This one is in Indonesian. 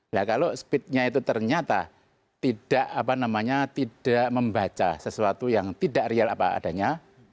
nah kalau speednya itu ternyata tidak membaca sesuatu yang tidak real apa adanya